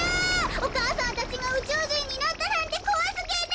お母さんたちがうちゅうじんになったなんてこわすぎる！